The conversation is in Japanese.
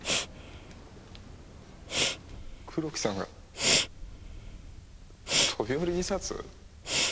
黒木さんが飛び降り自殺？